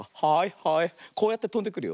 はい。